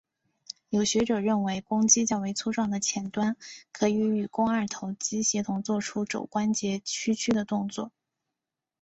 有学者认为肱肌较为粗壮的浅端可与与肱二头肌协同作出肘关节屈曲的动作。